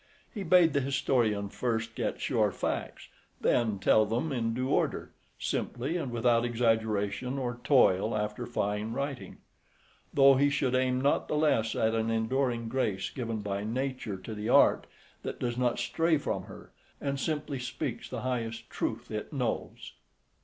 He bade the historian first get sure facts, then tell them in due order, simply and without exaggeration or toil after fine writing; though he should aim not the less at an enduring grace given by Nature to the Art that does not stray from her, and simply speaks the highest truth it knows.